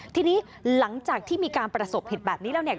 ทีนี้หลังจากที่มีการประสบเหตุแบบนี้แล้วเนี่ย